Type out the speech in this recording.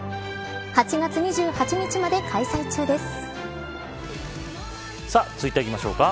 ８月２８日まで開催中です。